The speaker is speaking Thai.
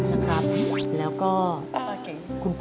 ทำงานชื่อนางหยาดฝนภูมิสุขอายุ๕๔ปี